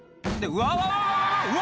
うわ！